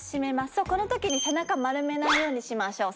そうこの時に背中丸めないようにしましょう。